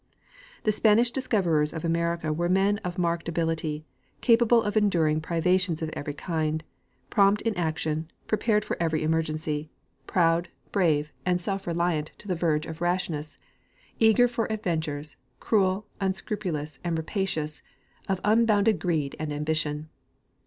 The Spanish discoverers of America were men of marked ability, capable of enduring privations of every kind, prompt in action, prepared for every emergency, proud, brave and self 14 Gardiner G. Hubbard — Discoverers of America. reliant to the verge of rashness, eager for adventures, cruel, un scrupulous and. rapacious, of unbounded greed and ambition.